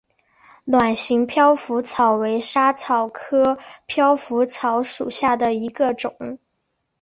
卵形飘拂草为莎草科飘拂草属下的一个种。